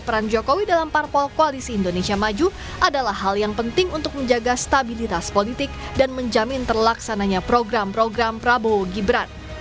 peran jokowi dalam parpol koalisi indonesia maju adalah hal yang penting untuk menjaga stabilitas politik dan menjamin terlaksananya program program prabowo gibran